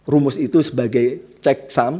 rumus itu sebagai cek saham